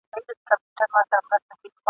د آدم خان د ربابي اوښکو مزل نه یمه ..